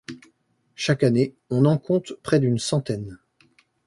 Chaque année, on en compte près d’une centaine.